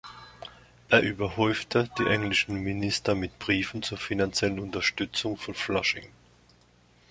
Er überhäufte die englischen Minister mit Briefen zur finanziellen Unterstützung von Flushing.